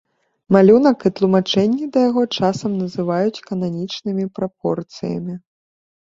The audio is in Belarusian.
Малюнак і тлумачэнні да яго часам называюць кананічнымі прапорцыямі.